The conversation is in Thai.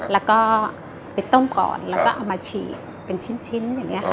แล้วก็ไปต้มก่อนแล้วก็เอามาฉีกเป็นชิ้นอย่างนี้ค่ะ